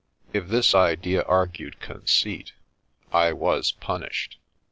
'' If this idea argued conceit, I was punished.